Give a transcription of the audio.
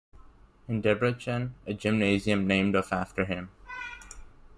In Debrecen, a gymnasium named of after him.